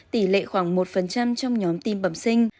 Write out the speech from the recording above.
tỷ lệ khoảng một trong nhóm tim bẩm sinh